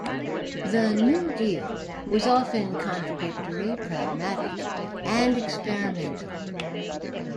The "new deal" was often contradictory, pragmatic, and experimental.